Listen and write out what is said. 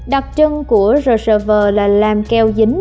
đặc trưng của rsv là làm keo dính